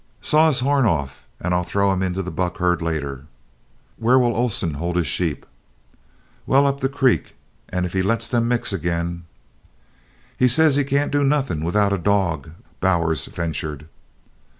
"Saw his horn off and I'll throw him into the buck herd later." "Where'll Oleson hold his sheep?" "Well up the creek; and if he lets them mix again " "He says he can't do nothin' without a dog," Bowers ventured.